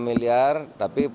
lima miliar tapi berhasil